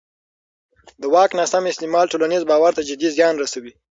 د واک ناسم استعمال ټولنیز باور ته جدي زیان رسوي